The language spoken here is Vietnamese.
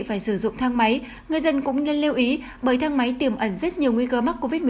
phải sử dụng thang máy người dân cũng nên lưu ý bởi thang máy tiềm ẩn rất nhiều nguy cơ mắc covid một mươi chín